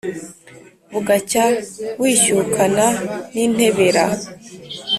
Bugacya wishyukana n'intebera.